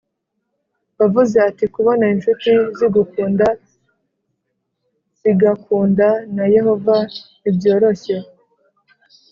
Wavuze ati kubona incuti zigukunda zigakunda na yehova ntibyoroshye